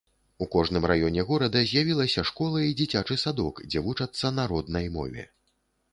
У кожным раёне горада з'явілася школа і дзіцячы садок, дзе вучацца на роднай мове.